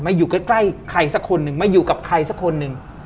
อยู่ใกล้ใครสักคนหนึ่งมาอยู่กับใครสักคนหนึ่ง